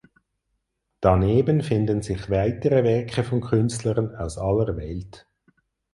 Daneben finden sich weitere Werke von Künstlern aus aller Welt.